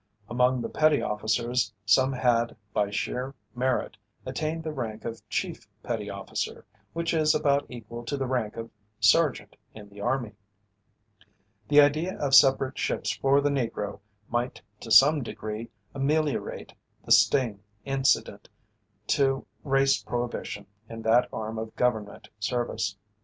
Among the petty officers some had by sheer merit attained the rank of chief petty officer, which is about equal to the rank of sergeant in the army. The idea of separate ships for the Negro might to some degree ameliorate the sting incident to race prohibition in that arm of government service.